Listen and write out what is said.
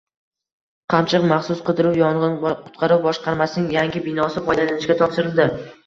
“Qamchiq” maxsus qidiruv, yong‘in-qutqaruv boshqarmasining yangi binosi foydalanishga topshirildi